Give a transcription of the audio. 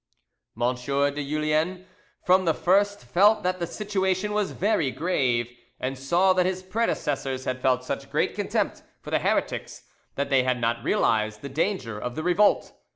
M de Julien from the first felt that the situation was very grave, and saw that his predecessors had felt such great contempt for the heretics that they had not realised the danger of the revolt.